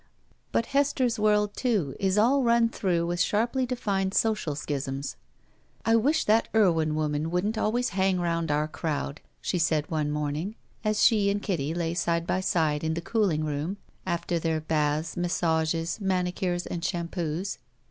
But Hester's world, too, is all run through with sharply defined social schisms. I wish that Irwin woman wouldn't always hang rotmd our crowd," she said, one morning, as she and Kitty lay side by side in the cooling room after their batli^, massages, manicures, and shampoos.